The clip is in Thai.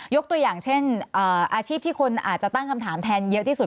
ตัวอย่างเช่นอาชีพที่คนอาจจะตั้งคำถามแทนเยอะที่สุด